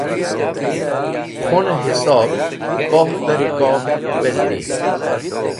Khũn-e hisob poh beh rikob wezdi.